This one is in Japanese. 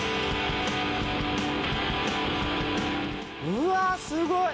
うわっすごい！